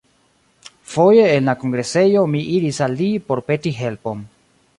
Foje en la kongresejo mi iris al li por peti helpon.